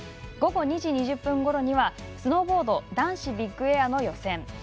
午後２時２０分ごろにはスノーボード男子ビッグエアの予選。